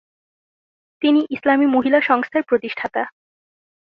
তিনি "ইসলামি মহিলা সংস্থার" প্রতিষ্ঠাতা।